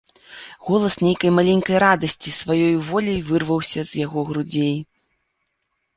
Голас нейкай маленькай радасці сваёю воляй вырваўся з яго грудзей.